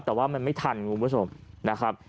แต่ว่ามันไม่ทันคุณผู้ชมนะครับ